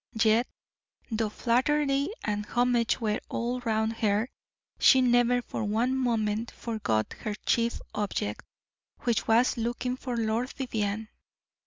Yet, though flattery and homage were all round her, she never for one moment forgot her chief object, which was looking for Lord Vivianne.